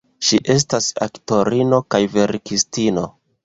Ŝi estas aktorino kaj verkistino.